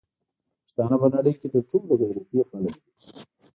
پښتانه په نړی کی تر ټولو غیرتی خلک دی